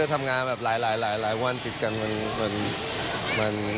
ไม่ต้องทำอะไรเยอะมากอะ